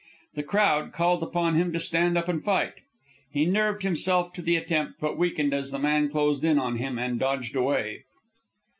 The crowd called upon him to stand up and fight. He nerved himself to the attempt, but weakened as the man closed in on him, and dodged away.